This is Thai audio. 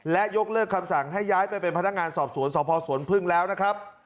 และยกเลิกคำสั่งให้ย้ายไปเป็นพนักงานสอบสวนสพสวนพึ่งแล้วนะครับ